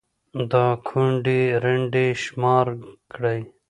دا كونـډې رنـډې شمار كړئ